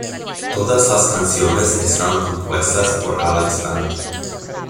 Todas las canciones están compuestas por Alex Band.